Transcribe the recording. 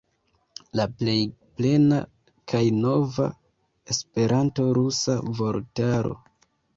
La plej plena kaj nova esperanto-rusa vortaro.